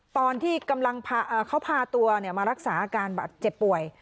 ตอนที่เขาพาตัวมารักษาอาการเจ็บป่วย